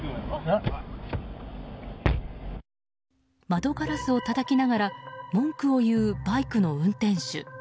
窓ガラスをたたきながら文句を言うバイクの運転手。